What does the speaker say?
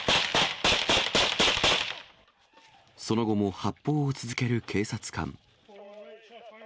その後も発砲を続ける警察官。